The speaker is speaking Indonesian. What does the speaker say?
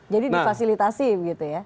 jadi difasilitasi begitu ya